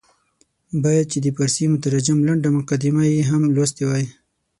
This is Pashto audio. باید چې د فارسي مترجم لنډه مقدمه یې هم لوستې وای.